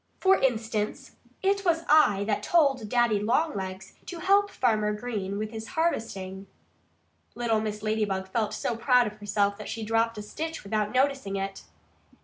For instance, it was I that told Daddy Longlegs to help Farmer Green with his harvesting." Little Mrs. Ladybug felt so proud of herself that she dropped a stitch without noticing it.